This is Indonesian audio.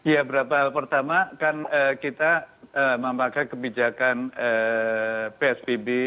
ya beberapa hal pertama kan kita memakai kebijakan psbb